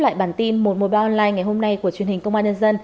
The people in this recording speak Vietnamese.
các bạn hãy đăng ký kênh để ủng hộ kênh của chúng mình nhé